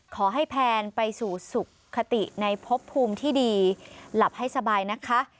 แพนไปสู่สุขติในพบภูมิที่ดีหลับให้สบายนะคะ